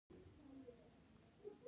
هغه د ټېپ مزي ورسمول.